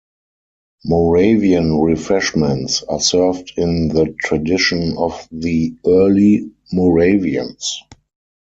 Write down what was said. Moravian refreshments are served in the tradition of the early Moravians.